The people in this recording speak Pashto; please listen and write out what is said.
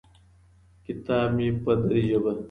کتاب مې په دري ژبه